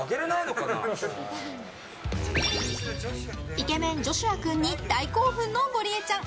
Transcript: イケメン、ジョシュア君に大興奮のゴリエちゃん。